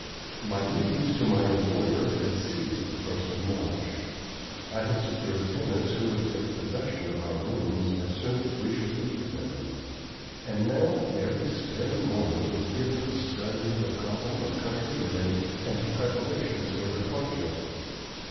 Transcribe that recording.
My duties to my employers had ceased the 1st of March: I had secured tenants who would take possession of our rooms as soon as we should leave them; and now every spare moment was given to studying the problem of country living and to preparations for departure.